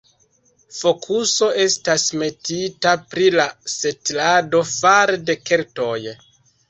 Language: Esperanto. Fokuso estas metita pri la setlado fare de keltoj.